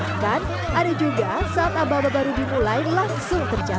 bahkan ada juga saat abang abang baru dimulai langsung terjatuh